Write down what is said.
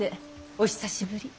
お久しぶり。